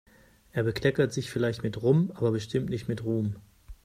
Er bekleckert sich vielleicht mit Rum, aber bestimmt nicht mit Ruhm.